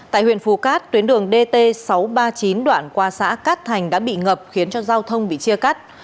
tại huyện phù cát tuyến đường dt sáu trăm ba mươi chín đoạn qua xã cát thành đã bị ngập khiến cho giao thông bị chia cắt